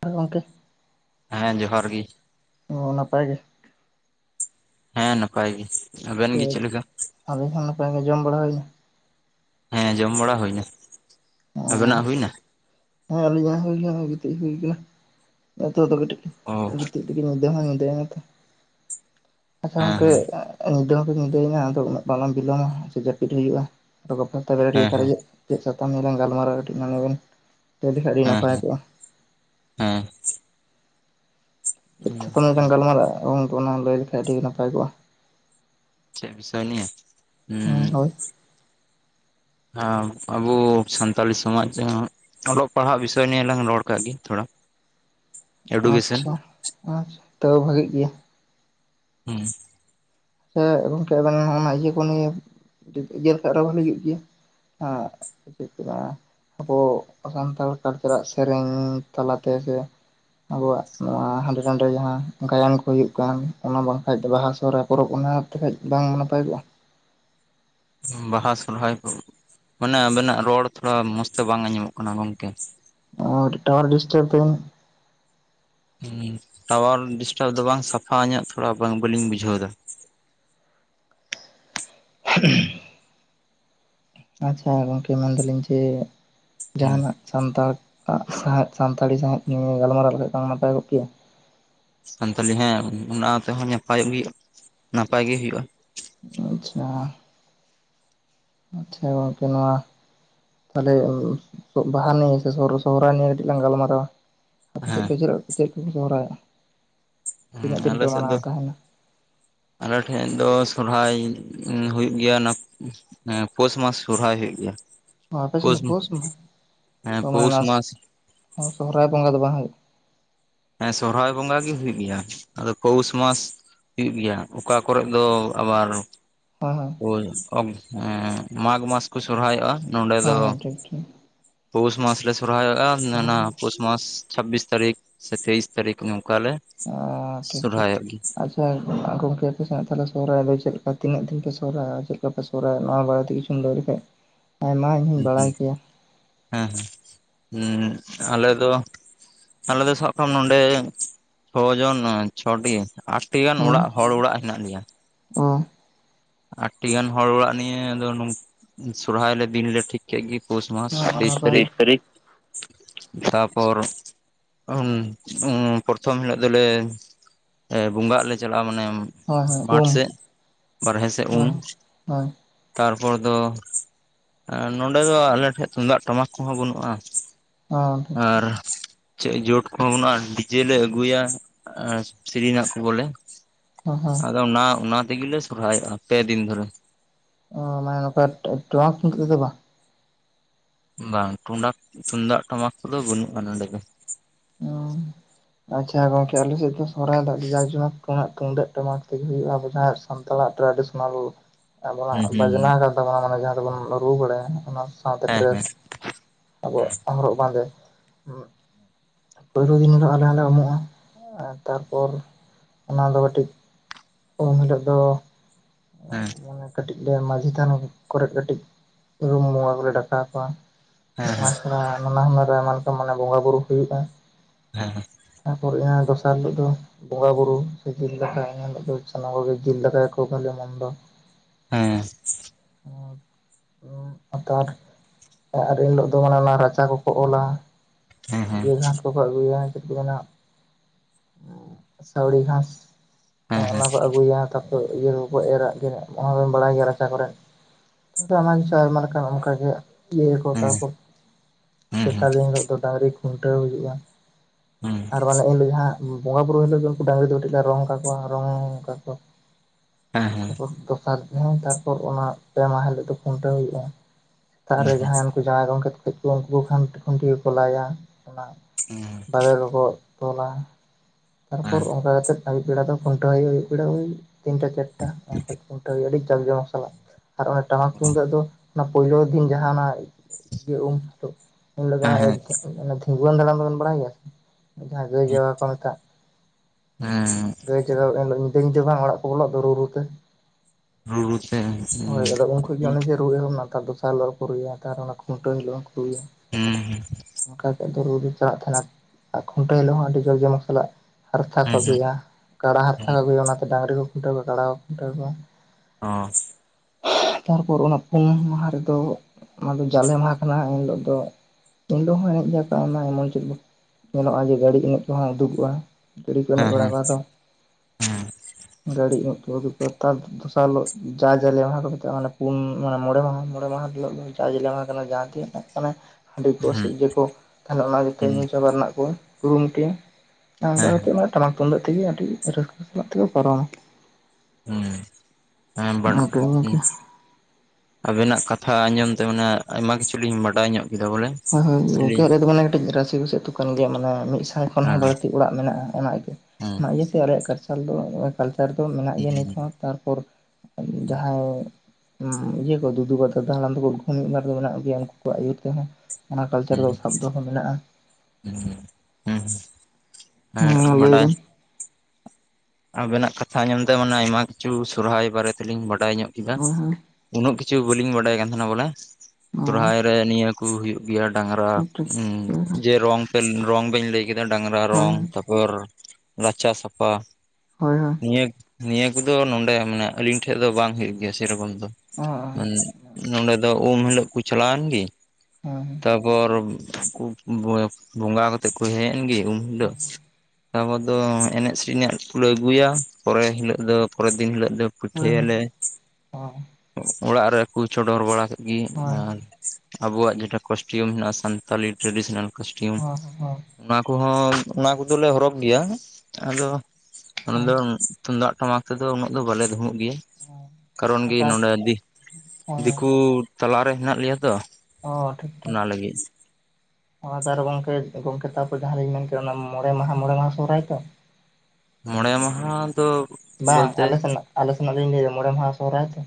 ᱦᱳᱭ ᱜᱚᱢᱠᱮ ᱦᱮᱸ ᱡᱚᱦᱟᱨ ᱜᱤ᱾ ᱚ ᱱᱟᱯᱟᱭ ᱜᱮ᱾ ᱦᱮᱸ ᱱᱟᱯᱟᱭ ᱜᱮ ᱟᱵᱮᱱ ᱜᱮ ᱪᱮᱫ ᱞᱮᱠᱟ᱾ ᱟᱞᱤᱧ ᱦᱚ ᱸᱱᱟᱯᱟᱭ ᱜᱮ ᱡᱚᱢ ᱵᱟᱲᱟ ᱦᱩᱭᱱᱟ? ᱦᱮᱸ ᱡᱚᱢ ᱵᱟᱲᱟ ᱦᱩᱭ ᱱᱟ ᱟᱵᱮᱱᱟᱜ ᱦᱩᱭᱱᱟ? ᱦᱮᱸ ᱟᱞᱤᱧ ᱦᱩᱭᱱᱟ, ᱦᱚᱸᱜ ᱚᱭ ᱜᱤᱛᱤᱡ ᱦᱩᱭ ᱠᱟᱱᱟ᱾ ᱱᱮᱛᱚᱜ ᱫᱚ ᱠᱟᱹᱴᱤᱡ ᱚ ᱜᱤᱛᱤᱡ ᱟ. ᱰᱤ ᱧᱤᱫᱟ. ᱦᱚᱸ ᱧᱤᱫᱟ. ᱭ ᱱᱟ ᱛᱚ ᱟᱪᱪᱷᱟ ᱦᱮᱸ ᱜᱚᱢᱠᱮ ᱦᱮᱸ ᱧᱤᱫᱟᱹ ᱦᱚᱸᱛᱚ ᱧᱤᱫᱟᱹᱭᱮᱱᱟ ᱟᱫᱚ ᱩᱱᱟᱹᱜ ᱵᱟᱞᱟᱝ ᱵᱤᱞᱚᱢᱟ ᱥᱮ ᱡᱟᱹᱯᱤᱫ ᱦᱩᱭᱩᱜᱼᱟ᱾ ᱟᱫᱚ ᱜᱟᱯᱟ ᱥᱮᱛᱟᱜ ᱵᱮᱨᱮᱫ ᱦᱩᱭᱩᱜᱼ ᱦᱮᱸ ᱟ ᱛᱟᱦᱞᱮ ᱡᱮ ᱪᱮᱫ ᱥᱟᱛᱟᱢ ᱱᱤᱭᱟᱹ ᱞᱟᱝ ᱜᱟᱞᱢᱟᱨᱟᱣᱼᱟ ᱠᱟᱹᱴᱤ ᱢᱟᱱᱮ ᱵᱤᱱ ᱞᱟᱹᱭ ᱞᱮᱠᱷᱟᱡ ᱟᱹᱰᱤ ᱦᱮᱸ ᱦᱮᱸ ᱱᱟᱯᱟᱭ ᱦᱮᱸ ᱠᱚᱜᱼᱟ᱾ ᱦᱮᱸ ᱪᱮᱫ [unintelligible] ᱜᱟᱞᱢᱟᱨᱟᱜᱼᱟ ᱜᱚᱝᱠᱮ ᱚᱱᱟ ᱞᱟᱹᱭ ᱞᱮᱠᱷᱟᱱ ᱟᱹᱰᱤ ᱱᱟᱯᱟᱭ ᱠᱚᱜᱼᱟ᱾ ᱪᱮᱫ ᱵᱤᱥᱚᱭ ᱱᱤᱭᱮ ᱩᱸ ᱦᱮᱸ ᱦᱳᱭ ᱦᱮᱸ ᱟᱵᱚ ᱥᱟᱱᱛᱟᱞᱤ ᱥᱚᱢᱟᱡᱽ ᱡᱟᱸᱦᱟ ᱚᱞᱚᱜ ᱯᱟᱲᱦᱟᱜ ᱵᱤᱥᱚᱭ ᱱᱤᱭᱮ ᱞᱟᱝ ᱨᱚᱲ ᱠᱟᱜ ᱜᱮ ᱛᱷᱚᱲᱟ᱾ ᱮᱰᱩᱠᱮᱥᱚᱱ ᱟᱪᱪᱷᱟ ᱟᱪᱪᱷᱟ ᱛᱟᱹᱣ ᱵᱷᱟᱹᱜᱤᱜ ᱜᱮᱭᱟ᱾ ᱦᱩᱸ ᱥᱮ ᱜᱚᱢᱠᱮ ᱟᱵᱤᱱ [unintelligible] ᱤᱭᱟᱹ ᱠᱚ ᱱᱤᱭᱮ [unintelligible] ᱤᱡᱟᱹ ᱞᱮᱠᱟᱱ ᱫᱚᱦᱚᱸ ᱵᱷᱟᱞᱤ ᱦᱩᱭᱩᱜ ᱜᱮᱭᱟ ᱦᱮᱸ᱾ [unintelligible] ᱠᱚ ᱥᱟᱱᱛᱟᱲ ᱠᱟᱞᱪᱟᱨᱟᱜ ᱥᱮᱨᱮᱧ ᱛᱟᱞᱟᱛᱮ ᱥᱮ ᱟᱵᱚᱣᱟᱜ ᱱᱚᱣᱟ ᱦᱟᱸᱰᱮ ᱱᱟᱰᱮ ᱡᱟᱦᱟᱸ ᱜᱟᱭᱟᱱ ᱠᱚ ᱦᱩᱭᱩᱜ ᱠᱟᱱ ᱚᱱᱟ ᱵᱟᱝᱠᱷᱟᱡ ᱫᱚ ᱵᱟᱦᱟ ᱥᱚᱦᱨᱟᱭ᱾ ᱯᱚᱨᱚᱵᱽ ᱚᱱᱟ ᱛᱮᱠᱷᱟᱡ ᱵᱟᱝ ᱱᱟᱯᱟᱭ ᱠᱚᱜᱼᱟ? ᱵᱟᱦᱟ ᱥᱚᱦᱨᱟᱭ ᱠᱚ ᱢᱟᱱᱮ ᱟᱵᱮᱱᱟᱜ ᱨᱚᱲ ᱛᱷᱚᱲᱟ ᱢᱚᱸᱡᱽᱛᱮ ᱵᱟᱝ ᱟᱸᱡᱚᱢᱚᱜ ᱠᱟᱱᱟ ᱜᱚᱝᱠᱮ᱾ ᱚ ᱴᱟᱣᱟᱨᱮ ᱰᱤᱥᱴᱟᱵᱤᱝ᱾ ᱴᱟᱣᱟᱨ ᱰᱤᱥᱴᱟᱯ ᱫᱚ ᱵᱟᱝ ᱥᱟᱯᱷᱟ ᱧᱚᱜ ᱛᱷᱚᱲᱟ ᱵᱟᱝ ᱵᱟᱹᱞᱤᱧ ᱵᱩᱡᱷᱟᱹᱣ ᱮᱫᱟ᱾ [unintelligible] ᱟᱪᱪᱷᱟ ᱜᱚᱝᱠᱮ ᱢᱮᱱᱫᱟᱞᱤᱧ ᱡᱮ ᱦᱩᱸ ᱡᱟᱦᱟᱱᱟᱜ ᱥᱟᱱᱛᱟᱲᱟᱜ ᱥᱟᱸᱦᱮᱫ ᱥᱟᱱᱛᱟᱲᱤ ᱥᱟᱦᱮᱫ ᱱᱤᱭᱮ ᱜᱟᱞᱢᱟᱨᱟᱣ ᱞᱮᱠᱷᱟᱡ ᱵᱟᱝ ᱱᱟᱯᱟᱭ ᱠᱚᱜ ᱠᱮᱭᱟ? ᱥᱟᱱᱛᱟᱞᱤ ᱦᱮᱸ ᱚᱱᱟ ᱛᱮᱦᱚᱸ ᱱᱟᱯᱟᱭᱚᱜ ᱜᱮ ᱱᱟᱯᱟᱭ ᱜᱮ ᱦᱩᱭᱩᱜᱼᱟ᱾ ᱟᱪᱪᱷᱟ ᱟᱪᱪᱷᱟ ᱜᱚᱝᱠᱮ ᱱᱚᱣᱟ ᱛᱟᱦᱚᱞᱮ ᱵᱟᱦᱟᱨ ᱱᱤᱭᱮ ᱥᱮ ᱥᱚᱦᱚᱨᱟᱭ ᱱᱤᱭᱮ ᱠᱟᱹᱴᱤᱡ ᱞᱟᱝ ᱜᱟᱞᱢᱟᱨᱟᱣᱟ? ᱟᱯᱮ ᱦᱮᱸ ᱥᱮᱫ ᱫᱚ ᱪᱮᱫ ᱪᱮᱫ ᱞᱮᱠᱟ ᱠᱚ ᱥᱚᱦᱨᱟᱭᱚᱜ-ᱟ? ᱦᱮᱸ ᱟᱞᱮ ᱥᱮᱫ ᱫᱚ ᱟᱞᱮ ᱴᱷᱮᱱ ᱫᱚ ᱥᱚᱨᱦᱟᱭ ᱦᱩᱭᱩᱜ ᱜᱮᱭᱟ ᱱᱟᱯ ᱦᱮᱸ ᱯᱳᱥᱢᱟᱥ ᱥᱚᱨᱦᱟᱭ ᱦᱩᱭᱩᱜ ᱜᱮᱭᱟ᱾ ᱟᱯᱮᱥᱮᱫ ᱫᱚ ᱯᱳᱥ ᱢᱟᱥ ᱦᱮᱸ ᱛᱳ ᱢᱟᱱᱮ ᱯᱳᱥ ᱱᱟᱥ ᱢᱟᱥ ᱥᱚᱦᱨᱟᱭ ᱵᱚᱸᱜᱟ ᱫᱚ ᱵᱟᱝ ᱦᱩᱭᱩᱜᱼᱟ? ᱦᱮᱸ ᱥᱚᱨᱦᱟᱭ ᱵᱚᱸᱜᱟ ᱜᱮ ᱦᱩᱭᱩᱜ ᱜᱮᱭᱟ ᱟᱫᱚ ᱯᱳᱥ ᱢᱟᱥ ᱦᱩᱭᱩᱜ ᱜᱮᱭᱟ ᱚᱠᱟ ᱠᱚᱨᱮ ᱫᱚ ᱟᱵᱟᱨ ᱦᱮᱸ ᱦᱮᱸ [unintelligible] ᱢᱟᱜᱽ ᱢᱟᱥ ᱠᱚ ᱥᱚᱨᱦᱟᱭᱚᱜᱼᱟ ᱱᱚᱸᱰᱮ ᱦᱮᱸ ᱫᱚ ᱦᱮᱸ ᱴᱷᱤᱠ ᱴᱷᱤᱠ ᱯᱳᱥᱢᱟᱥ ᱞᱮ ᱥᱚᱨᱦᱟᱭᱚᱜᱼᱟ ᱚ ᱚᱱᱟ ᱯᱳᱥᱢᱟᱥ ᱪᱷᱟᱵᱵᱤᱥ ᱛᱟᱹᱨᱤᱠᱷ ᱥᱮ ᱛᱮᱭᱤᱥ ᱛᱟᱹᱨᱤᱠᱷ ᱱᱚᱝᱠᱟᱞᱮ ᱚ ᱴᱷᱤᱠ ᱴᱷᱤᱠ ᱥᱚᱨᱦᱟᱭᱚᱜ ᱜᱮ ᱟᱪ ᱦᱮ ᱜᱚᱝᱠᱮ ᱟᱯᱮᱥᱮᱱᱟᱜ ᱛᱟᱦᱚᱞᱮ ᱥᱚᱦᱨᱟᱭ ᱫᱚ ᱪᱮᱫ ᱞᱮᱠᱟ ᱛᱤᱱᱟᱹᱜ ᱫᱤᱱ ᱯᱮ ᱥᱚᱨᱦᱟᱭᱟ ᱪᱮᱫ ᱞᱮᱠᱟ ᱯᱮ ᱥᱚᱦᱚᱨᱟᱭᱼᱟ ᱱᱚᱣᱟ ᱵᱟᱨᱮᱛᱮ ᱠᱤᱪᱷᱩᱢ ᱞᱟᱹᱭ ᱞᱮᱠᱷᱟᱡ? ᱟᱭᱢᱟ ᱤᱧᱦᱩᱧ ᱦᱮᱸ ᱦᱮᱸ ᱵᱟᱲᱟᱭ ᱜᱮᱭᱟ᱾ ᱦᱮᱸ ᱦᱮᱸ ᱟᱞᱮ ᱫᱚ ᱟᱞᱮ ᱫᱚ ᱥᱟᱵ ᱠᱟᱜ ᱢᱮ ᱱᱚᱰᱮ ᱪᱷᱚ ᱡᱚᱱ ᱪᱷᱚᱴᱤ ᱟᱴ -ᱴᱤ ᱜᱟᱱ ᱦᱮᱸ ᱚᱲᱟᱜ ᱦᱚᱲ ᱚᱲᱟᱜ ᱦᱮᱱᱟᱜ ᱞᱮᱭᱟ᱾ ᱚ ᱟᱴ ᱴᱤ ᱜᱟᱱ ᱦᱚᱲ ᱚᱲᱟᱜ ᱱᱤᱭᱮ ᱟᱫᱚ ᱥᱚᱨᱦᱟᱭ ᱞᱮ ᱫᱤᱱ ᱞᱮ ᱴᱷᱤᱠ ᱼᱠᱮᱜ ᱜᱤ ᱯᱳᱥ ᱢᱟᱥ ᱛᱮᱭᱤᱥ ᱛᱟᱨᱤᱠᱷ᱾ ᱱᱟᱯᱟᱭ ᱛᱟᱯᱚᱨ [unintelligible] ᱯᱚᱨᱛᱷᱚᱢ ᱦᱤᱞᱳᱜ ᱫᱚᱞᱮ ᱵᱚᱸᱜᱟᱜ ᱞᱮ ᱪᱟᱞᱟᱜᱼᱟ ᱢᱟᱱᱮᱢ ᱦᱳᱭ ᱦᱳᱭ ᱩᱢ᱾ ᱵᱟᱨᱦᱮ ᱥᱮᱫ ᱩᱢ ᱦᱳᱭ ᱦᱳᱭ ᱛᱟᱯᱚᱨ ᱫᱚ ᱟᱨ ᱱᱚᱸᱰᱮ ᱫᱚ ᱟᱞᱮ ᱴᱷᱮᱡ ᱛᱩᱢᱫᱟᱜ ᱴᱟᱢᱟᱠ ᱠᱚᱦᱚᱸ ᱵᱟᱹᱱᱩᱜᱼᱟ ᱟᱨ ᱪᱮᱫ ᱡᱳᱴ ᱠᱚᱦᱚᱸ ᱵᱟᱹᱱᱩᱜ ᱰᱤᱡᱮ ᱞᱮ ᱟᱹᱜᱩᱭᱟ ᱥᱤᱨᱤᱱᱟᱜ ᱠᱚ ᱵᱚᱞᱮ᱾ ᱦᱳᱭ ᱦᱳᱭ ᱟᱫᱚ ᱚᱱᱟ ᱚᱱᱟ ᱛᱮᱜᱮᱞᱮ ᱥᱚᱨᱦᱟᱭᱚᱜᱼᱟ, ᱯᱮ ᱫᱤᱱ ᱫᱷᱚᱨᱮ᱾ ᱚ ᱢᱟᱱᱮ ᱱᱚᱝᱠᱟ ᱴᱟᱢᱟᱠ ᱛᱩᱢᱫᱟᱜ ᱛᱮᱫᱚ ᱵᱟᱝ? ᱵᱟᱝ ᱴᱩᱱᱟᱠ ᱛᱩᱢᱫᱟᱜ ᱴᱟᱢᱟᱠ ᱠᱚᱫᱚ ᱵᱟᱹᱱᱩᱜᱼᱟ ᱱᱚᱸᱰᱮ ᱫᱚ᱾ ᱚ ᱟᱪᱪᱷᱟ ᱜᱚᱝᱠᱮ ᱟᱞᱮᱥᱮᱫ ᱫᱚ ᱥᱚᱨᱦᱟᱭ ᱫᱟᱜ ᱡᱟᱠ ᱡᱚᱢᱟᱠ ᱠᱷᱚᱱᱟᱜ ᱛᱩᱢᱫᱟᱹᱜ ᱴᱟᱢᱟᱠ ᱛᱮᱜᱮ ᱦᱩᱭᱩᱜᱼᱟ ᱟᱵᱚ ᱡᱟ ᱥᱟᱱᱛᱟᱲᱟᱜ ᱴᱨᱟᱰᱤᱥᱟᱱᱟᱞ ᱟᱵᱚᱱᱟᱜ ᱦᱩᱸ ᱦᱩᱸ ᱵᱟᱡᱱᱟ ᱠᱟᱱ ᱛᱟᱵᱚᱱᱟ ᱢᱟᱱᱮ ᱡᱟᱦᱟᱸ ᱛᱮᱵᱚᱱ ᱨᱩ ᱵᱟᱲᱟᱭᱟ ᱚᱱᱟ ᱥᱟᱶᱛᱮ ᱦᱮᱸ ᱰᱨᱮᱥ, ᱦᱮᱸ ᱦᱮᱸ ᱟᱵᱚᱣᱟᱜ ᱦᱚᱨᱚᱜ ᱵᱟᱸᱫᱮ ᱯᱩᱭᱞᱩ ᱫᱤᱱ ᱦᱤᱞᱳᱜ ᱟᱞᱮ ᱦᱚᱸᱞᱮ ᱩᱢᱩᱜᱼᱟ, ᱛᱟᱨᱯᱚᱨ ᱚᱱᱟ ᱫᱚ ᱠᱟᱹᱴᱤᱡ ᱩᱢ ᱦᱤᱞᱳᱜ ᱫᱚ ᱦᱮᱸ, ᱮ ᱠᱟᱹᱴᱤᱡ ᱞᱮ ᱢᱟᱹᱡᱷᱤ ᱛᱷᱟᱱ ᱠᱚᱨᱮᱜ ᱠᱟᱹᱴᱤᱡ ᱨᱩᱢ ᱵᱚᱸᱜᱟ ᱠᱚᱞᱮ ᱰᱟᱠᱟᱣ ᱠᱚᱣᱟ᱾ ᱦᱮᱸ ᱦᱮᱸ ᱟᱨ ᱦᱮᱸ ᱛᱷᱚᱲᱟ ᱱᱟᱱᱟᱦᱩᱱᱟᱹᱨ ᱟᱭᱢᱟ ᱞᱮᱠᱟ ᱵᱚᱸᱜᱟᱵᱩᱨᱩ ᱦᱩᱭᱩᱜᱼᱟ᱾ ᱦᱮᱸ, ᱦᱮᱸ, ᱛᱟᱯᱚᱨᱮ ᱫᱚᱥᱟᱨ ᱦᱤᱞᱚᱜ ᱫᱚ ᱵᱚᱸᱜᱟ ᱵᱩᱨᱩ ᱥᱮ ᱡᱤᱞ ᱫᱟᱠᱟ ᱮᱱᱮ ᱦᱤᱞᱚᱜ ᱫᱚ, ᱥᱟᱱᱟᱢ ᱠᱚᱜᱮ ᱡᱤᱞ ᱫᱟᱠᱚ ᱠᱚᱠᱚ ᱢᱚᱢ‌ᱟ ᱩᱱᱫᱚ᱾ ᱦᱮᱸ, [unintelligible] ᱦ ᱟᱛᱟᱨ ᱟᱨ ᱮᱱᱦᱤᱞᱳᱜ ᱫᱚ ᱚᱱᱮ ᱚᱱᱟ ᱨᱟᱪᱟ ᱠᱚᱠᱚ ᱚᱞᱟ, ᱦᱮᱸ ᱦᱮᱸ ᱵᱷᱮᱜᱟᱨ, ᱡᱚᱛᱚ ᱠᱚ ᱟᱹᱜᱩᱭᱟ ᱪᱮᱛ ᱠᱚ ᱢᱮᱱᱟᱜ ᱥᱟᱹᱣᱲᱤ ᱜᱷᱟᱥ, ᱦᱮᱸ ᱦᱮᱸ ᱦᱮᱸ ᱦᱮᱸ ᱦᱮᱸ ᱦᱮᱸ ᱡᱟᱦᱟᱸ ᱛᱟᱯᱚᱨ ᱤᱭᱟᱹ ᱨᱮᱠᱚ ᱮᱨᱟᱜ ᱜᱮ ᱚᱱᱟᱵᱮᱱ ᱵᱟᱲᱟᱭ ᱜᱮᱭᱟ ᱨᱟᱪᱟ ᱠᱚᱨᱮᱜ᱾ [unintelligible] ᱚᱱᱠᱟ ᱜᱮ, ᱞᱟᱹᱭᱟᱠᱚ ᱛᱟᱨᱯᱚᱨ ᱛᱮᱥᱟᱨ ᱫᱤᱱ ᱦᱤᱞᱳᱜ ᱫᱚ ᱰᱟᱝᱨᱤ ᱠᱷᱩᱱᱴᱟᱹᱣ ᱦᱩᱭᱩᱜᱼᱟ᱾ ᱟᱨ ᱢᱟᱱᱮ ᱮᱱᱤᱞᱳᱜ ᱡᱟᱦᱟᱸ ᱵᱚᱸᱜᱟᱵᱩᱨᱩ ᱦᱤᱞᱳᱜ ᱜᱮ ᱩᱱᱠᱩ ᱰᱟᱝᱨᱤ ᱫᱚ ᱠᱟᱹᱴᱤᱡ ᱞᱮ ᱨᱚᱝ ᱠᱟ ᱠᱚᱣᱟ, ᱨᱚᱝ ᱛᱟᱨᱯᱚᱨ, ᱛᱟ ᱯᱚᱨ ᱫᱚ, [unintelligible] ᱛᱟᱨᱯᱚᱨ ᱚᱱᱟ ᱯᱮ ᱢᱟᱦᱟᱸ ᱦᱤᱞᱳᱜ ᱫᱚ ᱠᱷᱩᱱᱴᱟᱹᱣ ᱦᱩᱭᱩᱜᱼᱟ ᱥᱮᱛᱟᱜ ᱨᱮ ᱡᱟᱦᱟᱸ ᱩᱱᱠᱩ ᱡᱟᱶᱟᱭ ᱜᱚᱝᱠᱮᱛ ᱠᱚ ᱩᱱᱠᱩ ᱠᱚ ᱠᱷᱟᱱᱴᱤ ᱠᱚ ᱠᱚ ᱞᱟᱭᱟ ᱚᱱᱟ ᱵᱟᱵᱮᱨ ᱠᱚᱠᱚ ᱛᱚᱞᱟ ᱛᱟᱨᱯᱚᱨ ᱚᱱᱠᱟ ᱠᱟᱛᱮᱮᱫ ᱟᱹᱭᱩᱵ ᱵᱮᱲᱟ ᱫᱚ ᱠᱷᱩᱱᱴᱟᱹᱣ ᱦᱩᱭᱩᱜ ᱟᱹᱭᱩᱵ ᱟᱹᱭᱩᱵ ᱵᱮᱲᱟ ᱳᱭ ᱛᱤᱱᱴᱟ ᱪᱟᱨᱴᱟ ᱚᱱᱠᱟ ᱠᱷᱩᱱᱴᱟᱹᱣᱼᱟ ᱟᱹᱰᱤ ᱡᱟᱸᱠ ᱡᱚᱢᱚᱠ ᱥᱟᱞᱟᱜ᱾ ᱟᱨ ᱚᱱᱟ ᱴᱟᱢᱟᱠ ᱛᱩᱢᱫᱟᱜ ᱫᱚ ᱚᱱᱟ ᱯᱳᱭᱞᱳ ᱫᱤᱱ ᱡᱟᱦᱟᱸ ᱤᱭᱟᱹ ᱩᱢ ᱩᱱ ᱦᱮᱸ ᱦᱮᱸ ᱦᱮᱸ ᱦᱤᱞᱚᱜᱼᱟᱜ ᱦᱮᱸ [unintelligible] [unintelligible] ᱫᱟᱲᱟᱱ ᱫᱚᱵᱚᱱ ᱵᱟᱲᱟᱭ ᱜᱮᱭᱟ ᱥᱮ ᱡᱟᱦᱟᱸ ᱜᱟᱹᱭ ᱡᱟᱭᱜᱟ ᱠᱚ ᱢᱮᱛᱟᱜ᱾ ᱦᱮᱸ, ᱜᱟᱹᱭ ᱡᱟᱜᱟᱣ ᱮᱱ ᱦᱤᱞᱳᱜ ᱧᱤᱫᱟᱹ ᱧᱤᱫᱟᱹ ᱵᱟᱝ ᱚᱲᱟᱜ ᱠᱚ ᱵᱚᱞᱚᱜ ᱫᱚ ᱨᱩ ᱨᱩᱛᱮ, ᱨᱩ ᱛᱮ ᱟᱫᱚ ᱩᱱ ᱠᱷᱚᱡ ᱜᱮ ᱚᱱᱮ [unintelligible] ᱡᱮ ᱨᱩ ᱮᱦᱚᱵ ᱱᱟ ᱛᱟᱨ ᱫᱚᱥᱟᱨ ᱦᱤᱞᱳᱜ ᱦᱚᱸᱠᱚ ᱨᱩᱭᱟ ᱛᱟᱨ ᱚᱱᱟ ᱠᱷᱩᱱᱴᱟᱹᱣ ᱦᱤᱞᱳᱜ ᱦᱚᱸᱠᱚ ᱨᱩᱭᱟ᱾ ᱦᱩᱸ ᱚᱱᱠᱟ ᱠᱟᱛᱮ ᱨᱩᱨᱩ ᱪᱟᱞᱟᱜ ᱛᱟᱦᱮᱱᱟ ᱟᱨ ᱠᱷᱩᱱᱴᱟᱹᱣ ᱦᱤᱞᱳᱜ ᱦᱚᱸ ᱟᱹᱰᱤ ᱡᱳᱨ ᱡᱚᱢᱚᱠ ᱥᱟᱞᱟᱜ ᱦᱟᱨᱛᱟ ᱠᱚ ᱦᱩᱸ ᱟᱹᱜᱩᱭᱟ᱾ ᱠᱟᱲᱟ ᱦᱟᱨᱛᱠᱚ ᱦᱩᱸ ᱟᱹᱜᱩᱭᱟ ᱚᱱᱟᱛᱮ ᱰᱟᱝᱨᱤ ᱠᱚ ᱠᱷᱩᱱᱴᱟᱹᱣ ᱠᱚᱣᱟ ᱠᱟᱲᱟ ᱠᱚ ᱠᱷᱩᱱᱴᱟᱹᱣ ᱠᱚᱣᱟ᱾ ᱚ, ᱛᱟᱨᱯᱚᱨ ᱚᱱᱟ ᱯᱩᱱ ᱢᱟᱦᱟᱸ ᱨᱮᱫᱚ ᱚᱱᱟ ᱫᱚ ᱡᱟᱞᱮ ᱢᱟᱦᱟᱸ ᱠᱟᱱᱟ ᱮᱱᱦᱤᱞᱚᱜ ᱫᱚ ᱮᱱ ᱦᱤᱞᱳ ᱦᱚᱸ ᱮᱱᱮᱡ ᱜᱤᱭᱟ ᱠᱚ [unintelligible] ᱧᱮᱞᱚᱜᱼᱟ ᱡᱮ ᱜᱟᱹᱲᱤ ᱮᱱᱮᱡ ᱠᱚᱦᱚᱸ ᱩᱫᱩᱜᱚᱜᱼᱟ᱾ ᱜᱟᱹᱲᱤ ᱠᱚ ᱦᱮᱸ ᱮᱱᱮᱡ ᱵᱟᱲᱟ ᱦᱮᱸ ᱠᱚᱣᱟ ᱛᱚ, ᱦᱮᱸ ᱜᱟᱹᱲᱤ ᱮᱱᱮᱡ ᱠᱚ ᱩᱫᱩᱜ ᱠᱚᱣᱟ ᱛᱟ ᱫᱚᱥᱟᱨ ᱦᱤᱞᱳᱜ ᱡᱟᱡᱽᱟᱞᱮ ᱢᱟᱦᱟᱸ ᱠᱚ ᱢᱮᱛᱟᱜᱼᱟ ᱢᱟᱱᱮ ᱯᱩᱱ‌ ᱢᱟᱱᱮ ᱢᱸᱚᱬᱮ ᱢᱟᱦᱟᱸ ᱢᱚᱬᱮᱸ ᱢᱟᱦᱟᱸ ᱦᱤᱞᱳᱜ ᱫᱚ ᱡᱟᱡᱽᱞᱮ ᱢᱟᱦᱟᱸ ᱠᱟᱱᱟ ᱡᱟᱦᱟᱸ ᱜᱮ ᱠᱟᱱᱟ ᱦᱟᱺᱰᱤ ᱠᱚ ᱥᱮ ᱦᱮᱸ ᱤᱭᱟᱹ ᱠᱚ ᱛᱟᱦᱞᱮ ᱚᱱᱟ ᱜᱮᱠᱚ ᱧᱩ ᱪᱟᱵᱟ ᱨᱮᱱᱟᱜ ᱠᱚ ᱠᱩᱨᱩᱢᱩᱴᱩᱭᱟ᱾ ᱚᱱᱠᱟ ᱠᱟᱛᱮᱜ ᱢᱟᱱᱮ ᱚᱱᱟ ᱴᱟᱢᱟᱠ ᱛᱩᱢᱫᱟᱜ ᱛᱮᱜᱮ ᱟᱹᱰᱤ ᱨᱟᱹᱥᱠᱟᱹ ᱥᱟᱞᱟᱜ ᱛᱮᱠᱚ ᱯᱟᱨᱚᱢᱟ᱾ ᱦᱮᱸ ᱦᱮᱸ ᱚᱱᱠᱟ ᱜᱚᱝᱠᱮ [unintelligible] ᱟᱵᱮᱱᱟᱜ ᱠᱟᱛᱷᱟ ᱟᱸᱡᱚᱢ ᱛᱮ ᱢᱟᱱᱮ ᱟᱭᱢᱟ ᱠᱤᱪᱷᱩᱞ ᱞᱤᱧ ᱵᱟᱰᱟᱭ ᱧᱚᱜ ᱠᱮᱫᱟ ᱵᱚᱞᱮ, ᱦᱳᱭ, ᱦᱳᱭ, ᱜᱚᱝᱠᱮ ᱟᱹᱞᱤᱧ ᱟᱞᱮ ᱫᱚ ᱢᱟᱱᱮ ᱠᱟᱹᱴᱤᱡ ᱨᱟᱥᱮ ᱠᱟᱥᱤ ᱟᱹᱛᱩ ᱠᱟᱱ ᱜᱮᱭᱟ ᱢᱟᱱᱮ ᱢᱤᱫ ᱥᱟᱸᱭ ᱠᱷᱚᱱ ᱦᱮᱸ ᱦᱚᱸ ᱵᱟᱹᱲᱛᱤ᱾ ᱚᱲᱟᱜ ᱢᱮᱱᱟᱜᱼᱟ ᱚᱱᱟ ᱛᱮ ᱦᱮᱸ ᱚᱱᱟ ᱤᱭᱟᱹᱛᱮ ᱟᱞᱮᱭᱟᱜ ᱠᱟᱞᱪᱟᱨ ᱫᱚ ᱠᱟᱞᱪᱟᱨ ᱫᱚ ᱢᱮᱱᱟᱜ ᱦᱮᱸ ᱜᱮᱭᱟ ᱱᱤᱛ ᱦᱚᱸ ᱛᱟᱨᱯᱚᱨ ᱡᱟᱦᱟᱸᱭ ᱤᱭᱟᱹ ᱠᱚ ᱫᱩᱫᱩ ᱜᱚ ᱫᱟᱫᱟ ᱦᱟᱲᱟᱢ ᱛᱟᱠᱚ ᱩᱱᱠᱩ ᱢᱤᱫᱵᱟᱨ ᱫᱚ ᱢᱮᱱᱟᱜ ᱠᱚ ᱜᱮᱭᱟ ᱩᱱᱠᱩᱣᱟᱜ ᱟᱹᱭᱩᱨ ᱛᱮᱦᱚᱸ ᱚᱱᱟ ᱠᱟᱞᱪᱟᱨ ᱫᱚ ᱥᱟᱵᱫᱚᱦᱚ ᱢᱮᱱᱟᱜᱼᱟ ᱦᱮᱸ ᱦᱮᱸ ᱦᱩᱸ ᱞᱟᱹᱭ ᱵᱟᱰᱟᱭ ᱵᱮᱱ ᱟᱵᱮᱱᱟᱜ ᱠᱟᱛᱷᱟ ᱟᱸᱧᱚᱢ ᱛᱮ ᱢᱟᱱᱮ ᱟᱭᱢᱟ ᱠᱤᱪᱷᱩ ᱥᱚᱨᱦᱟᱭ ᱵᱟᱨᱮ ᱛᱮᱞᱤᱧ ᱵᱟᱰᱟᱭ ᱧᱚᱜ ᱠᱮᱫᱟ᱾ ᱦᱳᱭ ᱦᱳᱭ ᱩᱱᱟᱹᱜ ᱠᱤᱪᱷᱩ ᱵᱟᱹᱞᱤᱧ ᱵᱟᱰᱟᱭ ᱠᱟᱱ ᱛᱟᱦᱮᱱᱟ ᱵᱚᱞᱮ ᱥᱚᱨᱦᱟᱭ ᱨᱮ ᱱᱤᱭᱟᱹ ᱠᱩ ᱦᱩᱭᱩᱜ ᱜᱮᱭᱟ ᱰᱟᱝᱨᱟ ᱴᱷᱤᱠ ᱴᱷᱤᱠ ᱡᱮ ᱨᱚᱝ ᱨᱚᱝ ᱵᱮᱱ ᱞᱟᱹᱭ ᱠᱮᱫᱟ ᱰᱟᱝᱨᱟ ᱦᱳᱭ ᱨᱚᱝ ᱛᱚᱨ ᱯᱚᱨ ᱨᱟᱪᱟ ᱥᱟᱯᱷᱟ ᱦᱳᱭ ᱦᱳᱭ ᱱᱤᱭᱟᱹ ᱱᱤᱭᱟᱹ ᱠᱩᱫᱚ ᱱᱚᱰᱮ ᱢᱟᱱᱮ ᱟᱹᱞᱤᱧ ᱴᱷᱮᱡ ᱫᱚ ᱵᱟᱝ ᱦᱩᱭᱩᱜ ᱜᱮᱭᱟ ᱥᱮᱨᱚᱠᱚᱢ ᱫᱚ ᱦᱳᱭ ᱢᱟᱱ ᱱᱚᱰᱮ ᱫᱚ ᱩᱢ ᱦᱤᱞᱳᱜ ᱠᱩ ᱪᱟᱞᱟᱣᱮᱱᱜᱤ ᱦᱮᱸ ᱵᱮᱜᱚᱨ ᱵᱚᱸᱜᱟ ᱠᱟᱛᱮᱜ ᱠᱚ ᱦᱮᱡ ᱮᱱ ᱜᱮ ᱩᱱ ᱦᱤᱞᱳᱜ ᱛᱟᱯᱚᱨ ᱫᱚ ᱮᱱᱮᱡ ᱥᱮᱨᱮᱧ ᱟᱜ ᱠᱚᱞᱮ ᱟᱹᱜᱩᱭᱟ ᱯᱚᱨᱮ ᱦᱤᱞᱳᱜ ᱫᱚ ᱯᱚᱨᱮᱨ ᱫᱤᱱ ᱦᱤᱞᱳᱜ ᱫᱚ ᱯᱤᱴᱷᱟᱹᱭᱟᱞᱮ ᱚᱲᱟᱜ ᱨᱮᱠᱚ ᱪᱚᱰᱚᱨ ᱵᱟᱲᱟ ᱠᱮᱫ ᱜᱮ ᱟᱨ ᱟᱵᱚᱣᱟᱜ ᱡᱮᱴᱟ ᱠᱚᱥᱴᱤᱭᱩᱢ ᱢᱮᱱᱟᱜᱼᱟ ᱥᱟᱱᱛᱟᱞᱤ ᱴᱨᱮᱰᱤᱥᱱᱟᱞ ᱠᱚᱥᱴᱤᱭᱩᱢ ᱚᱱᱟ ᱠᱚᱦᱚᱸ ᱚᱱᱟ ᱠᱚᱫᱚᱞᱮ ᱦᱚᱨᱚᱜ ᱜᱮᱭᱟ ᱟᱫᱚ ᱚᱱᱟ ᱦᱳᱭ ᱫᱚ ᱛᱩᱢᱫᱟᱜ ᱴᱟᱢᱟᱠ ᱛᱮᱫᱚ ᱩᱱᱟᱹᱜ ᱫᱚ ᱵᱟᱞᱮ [unintelligible] ᱜᱮᱭᱟ ᱠᱟᱨᱚᱱ ᱦᱳᱭ ᱜᱤ ᱦᱳᱭ ᱦᱳᱭ ᱱᱚᱸᱰᱮ ᱫᱤᱠ ᱦᱳᱭ ᱫᱤᱠᱩ ᱛᱟᱞᱟᱨᱮ ᱦᱮᱱᱟᱜ ᱞᱮᱭᱟ ᱛᱚ ᱚ ᱴᱷᱤᱠ ᱴᱷᱤᱠ ᱚᱱᱟ ᱞᱟᱹᱜᱤᱫ ᱚᱱᱟ ᱛᱚ ᱟᱨ ᱜᱚᱝᱠᱮ ᱜᱚᱝᱠᱮ ᱛᱟᱯᱚᱨ ᱡᱟᱦᱟᱸᱞᱤᱧ ᱢᱮᱱ ᱠᱮᱫᱟ ᱚᱱᱟ ᱢᱚᱬᱮ ᱢᱟᱦᱟ ᱢᱚᱬᱮ ᱢᱟᱦᱟ ᱥᱚᱨᱦᱟᱭ ᱛᱚ ᱢᱚᱬᱮ ᱢᱟᱦᱟ ᱫᱚ ᱵᱟᱝ ᱵᱚᱞᱛᱮ ᱟᱞᱮ ᱥᱮᱱᱟᱜ ᱟᱞᱮ ᱥᱮᱱᱟᱜ ᱞᱤᱧ ᱞᱮᱭᱫᱟ ᱢᱚᱬᱮ ᱢᱟᱦᱟ ᱥᱚᱦᱨᱟᱭ ᱛᱚ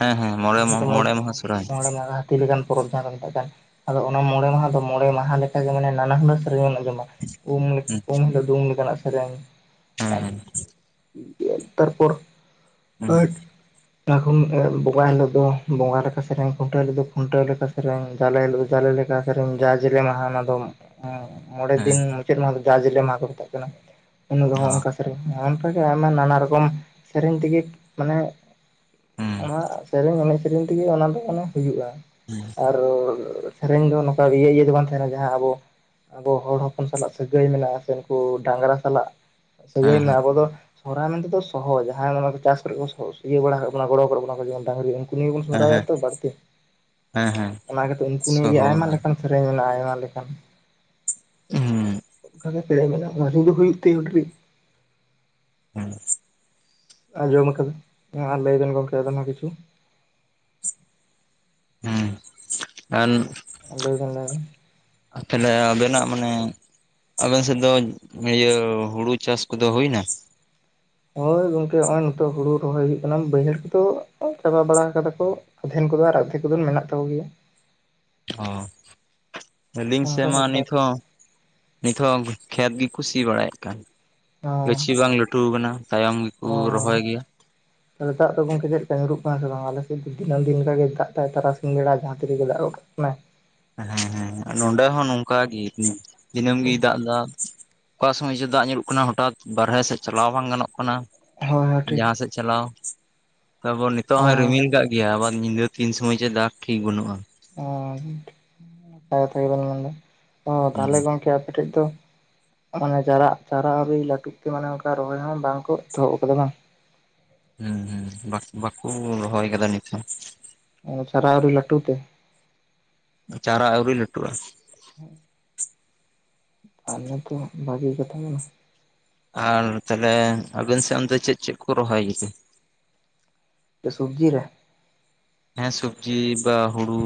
ᱦᱮᱸ ᱦᱮᱸ ᱢᱚᱬᱮ ᱟᱞᱮ ᱥᱮᱫ ᱫᱚ ᱢᱚᱬᱮ ᱢᱟᱦᱟ ᱥᱚᱨᱦᱟᱭ ᱢᱚᱬᱮ ᱢᱟᱦᱟ ᱦᱟᱹᱛᱤ ᱞᱮᱠᱟᱱ ᱯᱚᱨᱚᱵᱽ ᱡᱟᱦᱟᱸ ᱠᱚ ᱢᱮᱛᱟᱜ ᱠᱟᱱ ᱟᱫᱚ ᱚᱱᱟ ᱢᱚᱬᱮ ᱢᱟᱦᱟ ᱫᱚ ᱢᱚᱬᱮ ᱢᱟᱦᱟ ᱞᱮᱠᱟᱜᱮ ᱢᱟᱱᱮ ᱱᱟᱱᱟᱦᱩᱱᱟᱹᱨ ᱥᱮᱨᱮᱧ ᱮᱢ ᱟᱸᱡᱚᱢᱟ ᱩᱢ ᱦᱮᱸ ᱩᱢ ᱦᱤᱞᱳᱜ ᱫᱚ ᱩᱢ ᱞᱮᱠᱟᱱᱟᱜ ᱥᱮᱨᱮᱧ᱾ ᱟᱨ ᱦᱮᱸ ᱫᱤᱭᱮ ᱛᱟᱨᱯᱚᱨ ᱦᱮᱸ [unintelligible] ᱵᱚᱸᱜᱟ ᱦᱤᱞᱳᱜ ᱫᱚ ᱵᱚᱸᱜᱟ ᱞᱮᱠᱟ ᱥᱮᱨᱮᱧ ᱠᱚ ᱠᱷᱩᱱᱴᱟᱹᱣ ᱦᱤᱞᱳᱜ ᱫᱚ ᱠᱷᱩᱱᱴᱟᱹᱣ ᱞᱮᱠᱟ ᱥᱮᱨᱮᱧ ᱡᱟᱞᱮ ᱦᱤᱞᱳᱜ ᱫᱚ ᱡᱟᱞᱮ ᱞᱮ ᱠᱟ ᱥᱮᱨᱮᱧ ᱡᱟ ᱡᱮᱞᱮ ᱢᱟᱦᱟ ᱚᱱᱟ ᱫᱚ ᱢᱚᱬᱮ ᱫᱤᱱ ᱢᱩᱪᱟᱹᱫ ᱢᱟᱦᱟ ᱫᱚ ᱡᱟ ᱡᱤᱞᱮ ᱢᱟᱦᱟ ᱠᱚ ᱢᱮᱛᱟᱜ ᱠᱟᱱᱟ ᱩᱱ ᱨᱮᱦᱚ ᱚᱱᱠᱟ ᱚᱱᱠᱟᱜᱮ ᱟᱭᱢᱟ ᱱᱟᱱᱟ ᱨᱚᱠᱚᱢ ᱥᱮᱨᱮᱧ ᱛᱮᱜᱤ ᱢᱟᱱᱮ ᱦᱮᱸ ᱚᱱᱟ ᱥᱮᱨᱮᱧ ᱮᱱᱮᱡ ᱥᱮᱨᱮᱧ ᱛᱮᱜᱮ ᱚᱱᱟ ᱫᱚ ᱚᱱᱮ ᱦᱩᱭᱩᱜᱼᱟ ᱦᱮᱸ ᱟᱨ ᱥᱮᱨᱮᱧ ᱫᱚ ᱱᱚᱠᱟ ᱤᱭᱟᱹ ᱤᱭᱟᱹ ᱫᱚ ᱵᱟᱝ ᱛᱟᱦᱮᱱᱟ ᱡᱟᱦᱟᱸ ᱟᱵᱚ ᱟᱵᱚ ᱦᱚᱲ ᱦᱚᱯᱚᱱ ᱥᱟᱞᱟᱜ ᱥᱟᱹᱜᱟᱹᱭ ᱢᱮᱱᱟᱜᱼᱟ ᱥᱮ ᱱᱩᱠᱩ ᱰᱟᱝᱨᱟ ᱥᱟᱞᱟᱜ ᱥᱟᱹᱜᱟᱹᱭ ᱦᱮᱸ ᱢᱮᱱᱟᱜᱼᱟ ᱟᱵᱚ ᱫᱚ ᱥᱚᱦᱨᱟᱭ ᱢᱮᱱᱛᱮ ᱫᱚ ᱥᱚᱦᱚ ᱡᱟᱦᱟᱸᱭ ᱢᱟᱱᱮ ᱚᱱᱟ ᱠᱚ ᱪᱟᱥ ᱠᱚᱨᱮ ᱠᱚ ᱥᱚ ᱤᱭᱟᱹ ᱵᱟᱲᱟ ᱟᱠᱟᱜ ᱵᱚᱱᱟ ᱜᱚᱲᱚ ᱟᱠᱟᱫ ᱵᱚᱱᱟ ᱠᱚ ᱡᱮ ᱰᱟᱝᱨᱤ ᱩᱱ ᱱᱤᱭᱮ ᱵᱚᱱ ᱦᱮᱸ ᱦᱮᱸ ᱥᱚᱦᱨᱟᱭᱚᱜᱼᱟ ᱛᱚ ᱵᱟᱲᱛᱤ ᱦᱮᱸ ᱦᱮᱸ ᱚᱱᱟ ᱠᱟᱛᱮ ᱩᱝᱠᱩ ᱱᱤᱭᱮ ᱜᱮ ᱟᱭᱢᱟ ᱥᱚᱦᱚᱨᱟᱭ ᱞᱮᱠᱟᱱ ᱥᱮᱨᱮᱧ ᱢᱮᱱᱟᱜᱼᱟ ᱟᱭᱢᱟ ᱞᱮᱠᱟᱱ ᱦᱩᱸ ᱚᱝᱠᱟᱜᱮ ᱥᱮᱨᱮᱧ ᱢᱮᱱᱟᱜᱼᱟ [unintelligible] [inaudible] ᱟᱸᱡᱚᱢ ᱠᱟᱹᱫᱟᱹᱧ ᱦᱮᱸ ᱟᱨ ᱞᱟᱹᱭ ᱵᱮᱱ ᱜᱚᱝᱠᱮ ᱟᱵᱮᱱ ᱦᱚᱸ ᱠᱤᱪᱷᱩ ᱦᱮᱸ [unintelligible] ᱞᱟᱹᱭᱵᱮᱱ ᱞᱟᱹᱭᱵᱮᱱ ᱟᱨ ᱛᱟᱦᱚᱞᱮ ᱟᱵᱮᱱᱟᱜ ᱢᱟᱱᱮ ᱟᱵᱮᱱ ᱥᱮᱫ ᱫᱚ ᱤᱭᱟᱹ ᱦᱩᱲᱩ ᱪᱟᱥ ᱠᱚᱫᱚ ᱦᱩᱭᱱᱟ? ᱦᱳᱭ ᱜᱚᱝᱠᱮ ᱦᱚᱸᱜᱼᱚᱭ ᱱᱤᱛᱚᱜ ᱦᱩᱲᱩ ᱨᱚᱦᱚᱭ ᱦᱩᱭᱩᱜ ᱠᱟᱱᱟ ᱵᱟᱹᱭᱦᱟᱹᱲ ᱠᱚᱫᱚ ᱪᱟᱵᱟ ᱵᱟᱲᱟ ᱠᱟᱫᱟ ᱠᱚ ᱟᱫᱷᱮᱱ ᱠᱚᱫᱚ ᱟᱨ ᱟᱨᱫᱷᱮᱠ ᱠᱚᱫᱚ ᱢᱮᱱᱟᱜ ᱛᱟᱠᱚ ᱜᱮᱭᱟ᱾ ᱚ ᱟᱞᱤᱧ ᱥᱮᱜ ᱚᱱᱠᱟ ᱢᱟ ᱵᱮᱯᱟᱨ ᱱᱤᱛ ᱦᱚᱸ ᱱᱤᱛ ᱦᱚᱸ ᱠᱷᱮᱛ ᱜᱤ ᱠᱚ ᱥᱤ ᱵᱟᱲᱟᱭᱮᱫ ᱠᱟᱱ, ᱚ ᱜᱟᱹᱪᱷᱤ ᱵᱟᱝ ᱞᱟᱹᱴᱷᱩ ᱠᱟᱱᱟ ᱛᱟᱭᱚᱢ ᱠᱩ ᱨᱚᱦᱚᱭ ᱜᱮᱭᱟ᱾ [inaudible] ᱛᱟᱞᱦᱮ ᱫᱟᱜ ᱫᱚ ᱜᱚᱝᱠᱮ ᱪᱮᱫ ᱞᱮᱠᱟ ᱧᱩᱨᱩᱜ ᱠᱟᱱᱟ ᱥᱮ ᱵᱟᱝ? ᱟᱞᱮ ᱥᱮᱫ ᱫᱚ ᱫᱱᱟᱹᱢ ᱫᱤᱱ ᱞᱮᱠᱟ ᱜᱮ ᱫᱟᱜ ᱫᱟᱭ᱾ ᱛᱟᱨᱟᱥᱤᱧ ᱵᱮᱲᱟ ᱡᱟᱦᱟᱸ ᱛᱤ ᱨᱮᱜᱮ ᱫᱟᱜᱚᱜ ᱠᱟᱱᱟᱭ᱾ ᱦᱮᱸ ᱦᱮᱸ ᱦᱮᱸ ᱱᱚᱸᱰᱮ ᱦᱚᱸ ᱱᱚᱝᱠᱟᱜᱤ ᱫᱤᱱᱟᱹᱢ ᱜᱤ ᱫᱟᱜ ᱫᱟ᱾ ᱚᱠᱟ ᱥᱚᱢᱚᱭ ᱪᱚ ᱫᱟᱜ ᱧᱩᱨᱩᱜ ᱠᱟᱱᱟ ᱦᱚᱴᱟᱛ ᱵᱟᱨᱦᱮ ᱥᱮᱫ ᱪᱟᱞᱟᱣ ᱵᱟᱝ ᱜᱟᱱᱚᱜ ᱠᱟᱱᱟ᱾ ᱦᱳᱭ ᱦᱳᱭ ᱴᱷᱤᱠ ᱡᱟᱦᱟᱸ ᱥᱮᱜ ᱪᱟᱞᱟᱣ, ᱛᱟᱯᱚᱨ ᱱᱤᱛᱳᱜ ᱦᱳᱭ ᱦᱚᱸᱭ ᱨᱤᱢᱤᱞ ᱠᱟᱜ ᱜᱮᱭᱟ, ᱟᱵᱟᱨ ᱧᱤᱫᱟᱹ ᱛᱤᱱ ᱥᱚᱢᱚᱭ ᱡᱮ ᱫᱟᱜᱽ ᱴᱷᱤᱠ ᱵᱟᱹᱱᱩᱜᱼᱟ᱾ ᱚ ᱴᱷᱤᱠ ᱠᱟᱛᱷᱟ ᱜᱮᱵᱮᱱ ᱢᱮᱱᱫᱟ᱾ ᱚ ᱦᱩᱸ ᱛᱟᱦᱚᱞᱮ ᱜᱚᱝᱠᱮ ᱟᱯᱮ ᱴᱷᱮᱡ ᱫᱚ ᱢᱟᱱᱮ ᱪᱟᱨᱟᱜ ᱪᱟᱨᱟ ᱟᱹᱣᱨᱤ ᱞᱟᱹᱴᱩᱜ ᱛᱮ ᱢᱟᱱᱮ ᱚᱱᱠᱟ ᱨᱚᱦᱚᱭ ᱦᱚᱸ ᱵᱟᱝ ᱠᱚ ᱮᱛᱚᱦᱚᱵ ᱠᱟᱫᱟ ᱵᱟᱝ? ᱦᱩᱸ ᱦᱩᱸ ᱵᱟᱠ ᱵᱟᱠᱚ ᱨᱚᱦᱚᱭ ᱠᱟᱫᱟ ᱱᱤᱛ ᱦᱚᱸ᱾ ᱟᱫᱚ ᱪᱟᱨᱟ ᱟᱹᱣᱨᱤ ᱞᱟᱹᱴᱩ ᱛᱮ? ᱪᱟᱨᱟ ᱟᱹᱣᱨᱤ ᱞᱟᱹᱴᱩ ᱟ᱾ ᱛᱟᱦᱞᱮ ᱛᱚ ᱵᱷᱟᱜᱮ ᱠᱟᱛᱷᱟ ᱠᱟᱱᱟ᱾ ᱟᱨ ᱛᱟᱞᱦᱮ ᱟᱵᱮᱱ ᱥᱮᱫ ᱚᱱᱛᱮ ᱪᱮᱫ ᱪᱮᱫ ᱠᱚ ᱨᱚᱦᱚᱭ ᱜᱮᱛᱮ? ᱪᱮᱫ ᱥᱚᱵᱡᱤ ᱨᱮ? ᱦᱮᱸ ᱥᱚᱵᱡᱤ ᱵᱟ ᱦᱩᱲᱩ,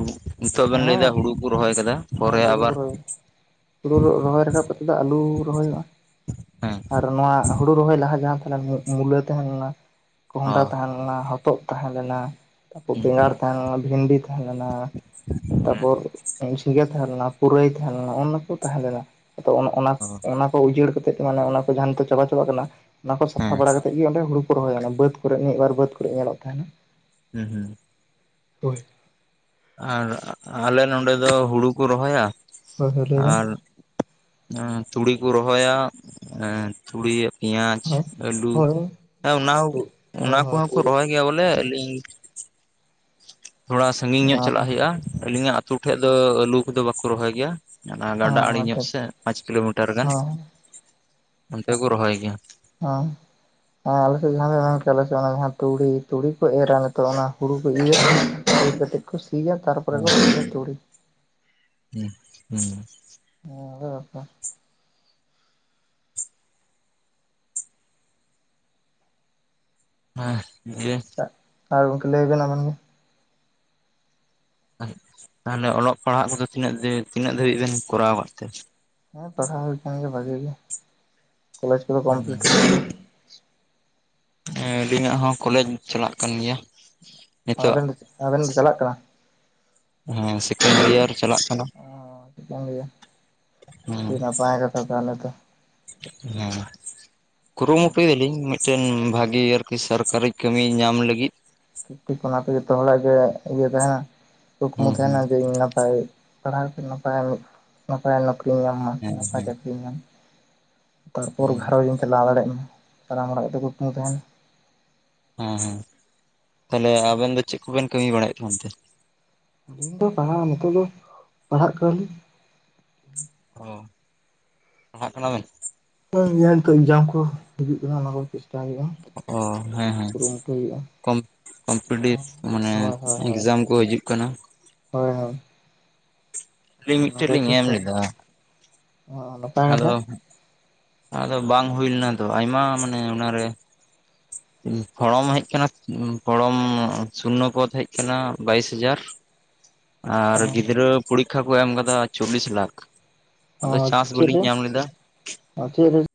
ᱱᱤᱛᱚᱜ ᱵᱮᱱ ᱦᱮᱸ ᱞᱟᱹᱭᱫᱟ ᱦᱩᱲᱩ ᱠᱚ ᱨᱚᱦᱚᱭ ᱠᱟᱫᱟ ᱦᱳᱭ ᱯᱚᱨᱮ ᱦᱩᱲᱩ ᱠᱚ ᱟᱵᱟᱨ ᱨᱚᱦᱚᱭ ᱦᱩᱲᱩ ᱨᱚ ᱨᱚᱦᱚᱭ ᱨᱟᱠᱟᱵ ᱠᱟᱛᱮᱫ ᱫᱚ ᱟᱹᱞᱩ ᱨᱚᱦᱚᱭᱚᱜᱼᱟ᱾ ᱦᱮᱸ ᱟᱨ ᱱᱚᱣᱟ ᱦᱩᱲᱩ ᱨᱚᱦᱚᱭ ᱞᱟᱦᱟ ᱡᱟᱦᱟᱸ ᱛᱷᱟᱞᱮᱱ ᱢᱩᱜ ᱢᱩᱞᱟᱹ ᱛᱟᱦᱮᱞᱮᱱᱟ᱾ ᱚ ᱠᱚᱸᱦᱰᱟ ᱛᱟᱦᱮᱸ ᱞᱮᱱᱟ, ᱦᱚᱛᱚᱫ ᱛᱟᱦᱮᱸ ᱞᱮᱱᱟ, ᱛᱟᱯᱚᱨ ᱦᱩᱸ ᱵᱮᱸᱜᱟᱲ ᱛᱟᱦᱮᱸ ᱞᱮᱱᱟ, ᱵᱷᱤᱱᱰᱤ ᱛᱟᱦᱮᱸ ᱞᱮᱱᱟ᱾ ᱻ [inaudible] ᱛᱟᱯᱚᱨ ᱡᱷᱤᱸᱜᱟᱹ ᱛᱟᱦᱮᱸ ᱞᱮᱱᱟ, ᱯᱩᱨᱟᱹᱭ ᱛᱟᱦᱮᱸ ᱞᱮᱱᱟ ᱚᱱᱱᱟ ᱠᱚ ᱛᱟᱦᱮᱸ ᱞᱮᱱᱟ ᱟᱫᱚ ᱚᱱ ᱚᱱᱟ ᱚ ᱚᱱᱟ ᱠᱚ ᱩᱡᱟᱹᱲ ᱠᱟᱛᱮᱫ ᱢᱟᱱᱮ ᱚᱱᱟ ᱠᱚ ᱡᱟᱦᱟᱸ ᱱᱤᱛᱚᱜ ᱪᱟᱵᱟ ᱪᱟᱵᱟᱜ ᱠᱟᱱᱟ ᱚᱱᱟ ᱠᱚ ᱥᱟᱯᱷᱟ ᱦᱮᱸ ᱵᱟᱲᱟ ᱠᱟᱛᱮᱫ ᱜᱮ ᱚᱸᱰᱮ ᱦᱩᱲᱩ ᱠᱚ ᱨᱚᱦᱚᱭᱟ ᱚᱱᱟ ᱵᱟᱹᱫᱽ ᱠᱚᱨᱮ ᱢᱤᱫ ᱵᱟᱨ ᱵᱟᱹᱫᱽ ᱠᱚᱨᱮᱜ ᱧᱮᱞᱚᱜ ᱛᱟᱦᱮᱸᱱᱟ᱾ ᱦᱩᱸ ᱦᱩᱸ᱾ ᱦᱳᱭ᱾ ᱟᱨ ᱟᱞᱮ ᱱᱚᱸᱰᱮ ᱫᱚ ᱦᱩᱲᱩ ᱠᱚ ᱨᱚᱦᱚᱭᱟ, ᱦᱳᱭ ᱦᱳᱭ ᱞᱟᱹᱭ ᱵᱮᱱ᱾ ᱟᱨ ᱛᱩᱲᱤ ᱠᱚ ᱨᱚᱦᱚᱭᱟ, ᱮᱸ ᱛᱩᱲᱤ ᱯᱮᱸᱭᱟᱡ, ᱦᱳᱭ ᱟᱹᱞᱩ ᱦᱳᱭ ᱦᱮᱸ ᱚᱱᱟ ᱦᱚᱸ ᱚᱱᱟ ᱦᱳᱭ ᱦᱳᱭ ᱠᱚᱦᱚᱸ ᱠᱚ ᱛᱩᱲᱤ ᱨᱚᱦᱚᱭ ᱜᱮᱭᱟ ᱵᱚᱞᱮ ᱟᱹᱞᱤᱧ ᱛᱷᱚᱲᱟ ᱥᱟᱺᱜᱤᱧ ᱧᱚᱜ ᱟᱨ ᱪᱟᱞᱟᱜ ᱦᱩᱭᱩᱜ-ᱟ ᱟᱹᱞᱤᱧᱟᱜ ᱟᱹᱛᱩ ᱴᱷᱮᱡ ᱫᱚ ᱟᱹᱞᱩ ᱠᱚᱫᱚ ᱵᱟᱠᱚ ᱨᱚᱦᱚᱭ ᱜᱮᱭᱟ᱾ ᱧᱟᱞᱟ ᱜᱟᱰᱟ ᱟᱲᱮ ᱟᱪᱪᱷᱟ ᱧᱚᱜ ᱥᱮᱫ ᱯᱟᱸᱪ ᱠᱤᱞᱳᱢᱤᱴᱟᱨ ᱜᱟᱱ, ᱦᱮᱸ ᱚᱱᱛᱮ ᱠᱚ ᱨᱚᱦᱚᱭ ᱜᱮᱭᱟ᱾ ᱦᱚᱸ᱾ ᱦᱮᱸ ᱟᱞᱮ ᱥᱮᱫ ᱡᱟᱦᱟᱸ [inaudible] ᱢᱮᱱ ᱠᱮᱭᱟ ᱟᱞᱮ ᱥᱮᱫ ᱚᱱᱟ ᱡᱟᱦᱟᱸ ᱛᱩᱲᱤ ᱛᱩᱲᱤ ᱠᱚ ᱮᱨᱟ ᱱᱤᱛᱚᱜ ᱚᱱᱟ ᱦᱩᱲᱩ ᱠᱚ [inaudible] ᱤᱨ ᱠᱟᱛᱮᱜ ᱠᱚ ᱫᱤᱭᱟ ᱛᱟᱨᱯᱚᱨᱮ ᱠᱚ ᱦᱮᱸ [inaudible] ᱛᱩᱲᱤ᱾ [inaudible] ᱦᱩᱸ ᱦᱮᱸ, ᱫᱤᱭᱮ ᱟ ᱟᱨ ᱜᱚᱝᱠᱮ ᱞᱟᱹᱭ ᱵᱮᱱ ᱟᱵᱮᱱ ᱜᱮ᱾ ᱛᱟᱦᱚᱞᱮ ᱚᱞᱚᱜ ᱯᱟᱲᱦᱟᱜ ᱠᱚᱫᱚ ᱛᱤᱱᱟᱹᱜ [inaudible] ᱛᱤᱱᱟᱹᱜ ᱫᱟᱹᱵᱤᱡ ᱵᱮᱱ ᱠᱚᱨᱟᱣ ᱟᱠᱟᱫ ᱛᱮ? ᱦᱮᱸ ᱯᱟᱲᱦᱟᱣ ᱦᱩᱭ ᱟᱠᱟᱱ ᱜᱮᱭᱟ ᱵᱷᱟᱜᱮ ᱜᱮ, ᱠᱚᱞᱮᱡᱽ ᱠᱚᱫᱚ ᱠᱚᱢᱯᱞᱤᱴ [inaudible] ᱦᱮ ᱟᱹᱞᱤᱧᱟᱜ ᱦᱚᱸ ᱠᱚᱞᱮᱡ ᱪᱟᱞᱟᱜ ᱠᱟᱱ ᱜᱮᱭᱟ ᱱᱤᱛᱚᱜ ᱟᱵᱮᱱ ᱫᱚ ᱟᱵᱮᱱ ᱫᱚ ᱪᱟᱞᱟᱜ ᱠᱟᱱᱟ ᱦᱮᱸ ᱥᱮᱠᱮᱱᱰ ᱤᱭᱟᱨ ᱪᱟᱞᱟᱜ ᱠᱟᱱᱟ ᱚ ᱪᱮᱠᱟᱹᱧ ᱞᱟᱹᱭᱟ ᱴᱤ ᱱᱟᱯᱟᱭ ᱜᱮᱛᱚ ᱛᱟᱦᱚᱞᱮ ᱛᱚ ᱦᱚᱸ ᱠᱩᱨᱩᱢᱩᱴᱩᱭ ᱭᱟᱞᱤᱧ ᱢᱤᱫᱴᱮᱱ ᱵᱷᱟᱜᱤ ᱟᱨᱠᱤ ᱥᱟᱨᱠᱟᱨᱤ ᱠᱟᱹᱢᱤ ᱧᱟᱢ ᱞᱟᱹᱜᱤᱫ᱾ ᱴᱷᱤᱠ ᱴᱷᱤᱠ ᱚᱱᱟᱛᱮ ᱡᱚᱛᱚ ᱦᱚᱲᱟᱜ ᱜᱮ ᱤᱭᱟᱹ ᱛᱟᱦᱮᱸᱱᱟ ᱠᱩᱠᱢᱩ ᱦᱩᱸ ᱦᱩᱸ ᱛᱟᱦᱮᱸᱱᱟ ᱡᱮ ᱤᱧ ᱱᱟᱯᱟᱭ ᱯᱟᱲᱦᱟᱣ ᱠᱟᱛᱮ ᱱᱟᱯᱟᱭ ᱱᱚᱠᱨᱤᱧ ᱧᱟᱢᱟ ᱦᱮᱸ ᱱᱟᱯᱟᱭ ᱦᱮᱸ ᱪᱟᱹᱠᱨᱤᱧ ᱧᱟᱢᱟ᱾ ᱛᱟᱨᱯᱚᱨ ᱦᱮᱸ ᱜᱷᱟᱨᱚᱸᱧ ᱤᱧ ᱪᱟᱞᱟᱣ ᱫᱟᱲᱮᱭᱟᱜ ᱢᱟ ᱥᱟᱱᱟᱢ ᱦᱚᱲᱟᱜ ᱜᱮᱛᱚ ᱠᱩᱴᱢᱩ ᱛᱟᱦᱮᱸᱱ ᱦᱮᱸ ᱦᱮᱸ ᱛᱟᱦᱚᱞᱮ ᱟᱵᱮᱱ ᱫᱚ ᱪᱮᱫ ᱠᱚᱵᱮᱱ ᱠᱟᱹᱢᱤ ᱵᱟᱲᱟᱭᱮᱫ ᱠᱟᱱ ᱛᱮ? ᱟᱹᱞᱤᱧ ᱫᱚ ᱯᱟᱲᱦᱟᱜ ᱱᱤᱛᱚᱜ ᱫᱚ ᱯᱟᱲᱦᱟᱜ ᱠᱟᱱᱟ ᱞᱤᱧ ᱚ ᱯᱟᱲᱦᱟᱜ ᱠᱟᱱᱟ ᱵᱮᱱ? ᱱᱤᱛᱚᱜ ᱮᱠᱡᱟᱢ ᱠᱚ ᱦᱤᱡᱩᱜ ᱠᱟᱱᱟ ᱚᱱᱟ ᱠᱚ ᱪᱮᱥᱴᱟᱭ ᱦᱩᱭᱩᱜᱼᱟ ᱚ ᱦᱮᱸ ᱦᱮᱸ ᱠᱩᱨᱩᱢᱩᱴᱩᱭ ᱦᱩᱭᱩᱜᱼᱟ ᱠᱚᱢ ᱠᱚᱢᱯᱤᱴᱤᱵᱷ ᱢᱟᱱᱮ ᱦᱳᱭ ᱦᱳᱭ ᱦᱳᱭ ᱮᱠᱡᱟᱢ ᱠᱚ ᱦᱤᱡᱩᱜ ᱠᱟᱱᱟ ᱦᱳᱭ ᱦᱳᱭ ᱟᱹᱞᱤᱧ ᱢᱤᱫᱴᱮᱡ ᱱᱟᱯᱟᱭ ᱞᱤᱧ ᱴᱷᱤᱠ ᱮᱢ ᱥᱮ ᱞᱮᱫᱟ ᱚ ᱟᱫᱚ ᱟᱫᱚ ᱵᱟᱝ ᱦᱩᱭ ᱞᱮᱱᱟ ᱛᱚ ᱟᱭᱢᱟ ᱢᱟᱱᱮ ᱚᱱᱟᱨᱮ ᱯᱷᱚᱲᱚᱢ ᱦᱮᱡ ᱠᱟᱱᱟ ᱯᱷᱚᱲᱚᱢ ᱥᱩᱱᱚ ᱯᱚᱫ ᱦᱮᱡ ᱠᱟᱱᱟ ᱵᱟᱭᱤᱥ ᱦᱟᱡᱟᱨ ᱻ ᱟᱨ ᱜᱤᱫᱽᱨᱟᱹ ᱯᱚᱨᱤᱠᱷᱟ ᱠᱚ ᱮᱢ ᱠᱟᱫᱟ ᱪᱚᱵᱵᱤᱥ ᱞᱟᱠᱷ ᱟᱫᱚ ᱪᱟᱥ ᱵᱟᱞᱤᱧ ᱧᱟᱢ ᱞᱮᱫᱟ ᱟᱨ ᱪᱮᱫ ᱨᱮ